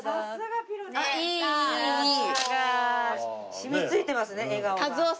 染みついてますね笑顔が。